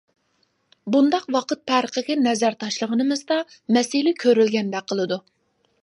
بۇنداق ۋاقىت پەرقىگە نەزەر تاشلىغىنىمىزدا مەسىلە كۆرۈلگەندەك قىلىدۇ.